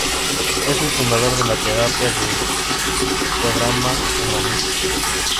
Es el fundador de la terapia de psicodrama humanística.